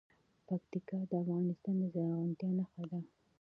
پکتیکا د افغانستان د زرغونتیا نښه ده.